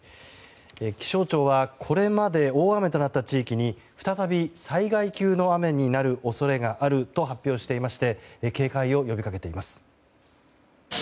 気象庁はこれまで大雨となった地域に再び災害級の雨になる恐れがあると発表していまして警戒を呼びかけています。